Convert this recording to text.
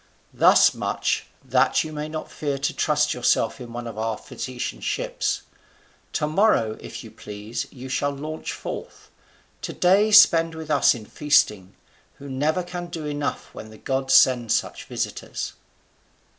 Thus much, that you may not fear to trust yourself in one of our Phaeacian ships. Tomorrow, if you please, you shall launch forth. To day spend with us in feasting, who never can do enough when the gods send such visitors."